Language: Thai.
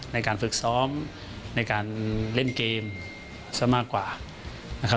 ในการฝึกซ้อมในการเล่นเกมซะมากกว่านะครับ